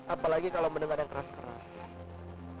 apalagi kalau mendengar yang keras keras